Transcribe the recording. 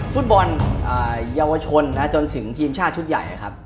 ฟุตบอลเยาวชนจนถึงทีมชาติชุดใหญ่นะครับ